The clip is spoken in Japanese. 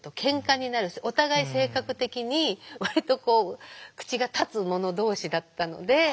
お互い性格的に割とこう口が立つ者同士だったので。